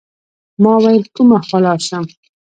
ما ویل کومه خوا لاړ شم.